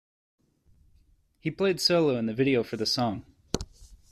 He played solo in the video for the song.